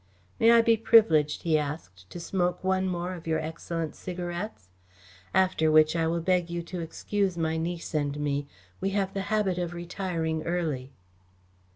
"May I be privileged," he asked, "to smoke one more of your excellent cigarettes? After which, I will beg you to excuse my niece and me. We have the habit of retiring early."